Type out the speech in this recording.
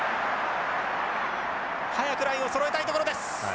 早くラインをそろえたいところです。